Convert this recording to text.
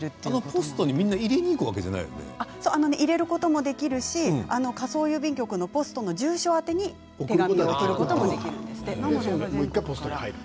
ポストに入れることもできますし仮想郵便局の住所宛に手紙で送ることもできます。